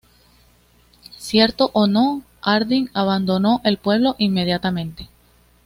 Cierto o no, Hardin abandonó el pueblo inmediatamente.